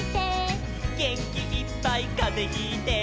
「げんきいっぱいかぜひいて」